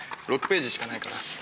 ６ページしかないから。